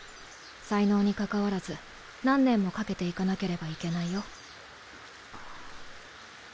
才能にかかわらず何年もかけていかなければいけないよ。